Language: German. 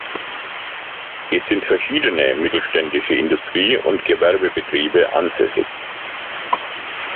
Es sind verschiedene mittelständische Industrie- und Gewerbebetriebe ansässig.